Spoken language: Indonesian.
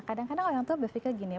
kadang kadang orang tua berpikir gini ya